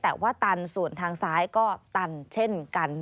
แต่ว่าตันส่วนทางซ้ายก็ตันเช่นกัน